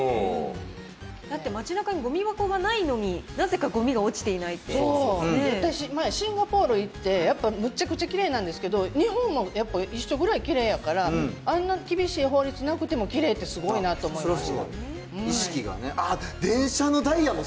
だって街なかにごみ箱がないのに、なぜかごみが落ちていない私、前、シンガポール行って、やっぱむちゃくちゃきれいなんですけど、日本もやっぱ一緒ぐらいきれいやから、あんな厳しい法律なくても、きれいってすごいなと思いました。